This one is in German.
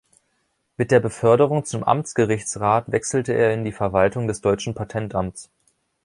Mit der Beförderung zum Amtsgerichtsrat wechselte er in die Verwaltung des Deutschen Patentamts.